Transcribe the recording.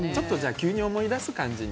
急に思い出した感じで。